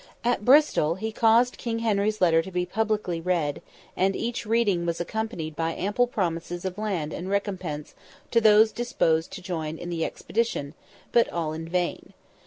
At Bristol he caused King Henry's letter to be publicly read, and each reading was accompanied by ample promises of land and recompense to those disposed to join in the expedition—but all in vain.